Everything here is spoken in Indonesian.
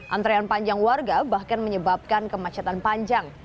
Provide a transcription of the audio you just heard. antrean panjang warga bahkan menyebabkan kemacetan panjang